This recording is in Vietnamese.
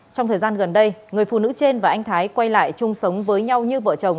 trong thời gian gần đây người phụ nữ trên và anh thái quay lại chung sống với nhau như vợ chồng